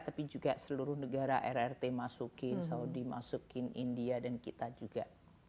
tapi juga seluruh negara rrt masukin saudi masukin india dan kita juga